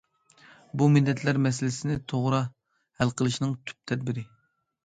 بۇ مىللەتلەر مەسىلىسىنى توغرا ھەل قىلىشنىڭ تۈپ تەدبىرى.